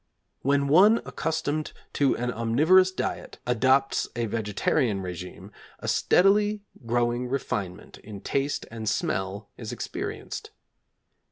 When one accustomed to an omnivorous diet adopts a vegetarian régime, a steadily growing refinement in taste and smell is experienced.